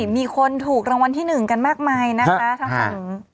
มีคนถูกรางวัลที่๑กันมากมายนะคะทางฝั่ง